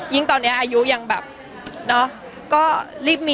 ยิ่งตอนนี้อายุยังแบบเริ่มมี